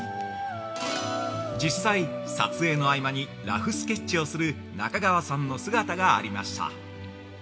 ◆実際、撮影の合間にラフスケッチをする中川さんの姿がありました。